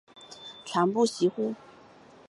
传不习乎？